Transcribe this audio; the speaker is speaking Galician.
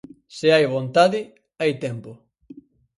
Se hai vontade, hai tempo.